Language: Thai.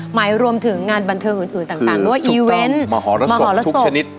หมายรวมถึงงานบรรเทิงอื่นต่างด้วยอีเว้นมหรสกลิเกย์ก็โดนด้วย